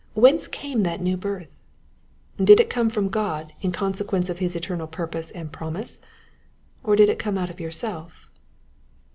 Whence came that new birth ? Did it come from God in consequence of his eternal purpose and promise, or did it come out of yourself?